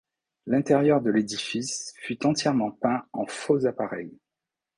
L'intérieur de l'édifice fut entièrement peint en faux appareil.